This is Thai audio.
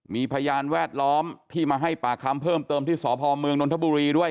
มีพยานแวดล้อมที่มาให้ปากคำเพิ่มเติมที่สพเมืองนทบุรีด้วย